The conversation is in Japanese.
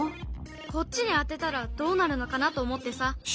こっちに当てたらどうなるのかなと思ってさ。